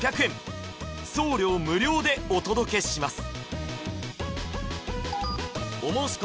送料無料でお届けします